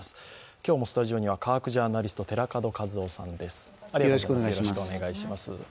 今日もスタジオには科学ジャーナリスト寺門和夫さんです。